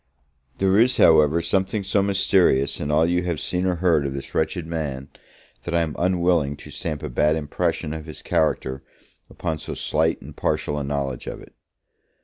There is, however, something so mysterious in all you have seen or heard of this wretched man, that I am unwilling to stamp a bad impression of his character upon so slight and partial a knowledge of it.